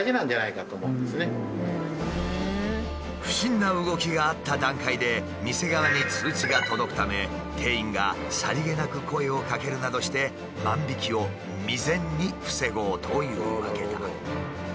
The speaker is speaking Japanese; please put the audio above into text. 不審な動きがあった段階で店側に通知が届くため店員がさりげなく声をかけるなどして万引きを未然に防ごうというわけだ。